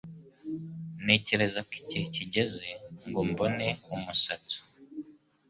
Ntekereza ko igihe kigeze ngo mbone umusatsi.